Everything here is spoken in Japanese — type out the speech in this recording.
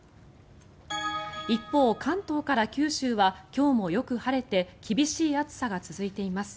一方、関東から九州は今日もよく晴れて厳しい暑さが続いています。